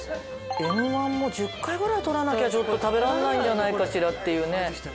Ｍ−１も１０回ぐらい取らなきゃ食べられないんじゃないかしらっていうね。